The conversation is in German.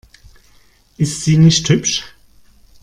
Ist sie nicht hübsch?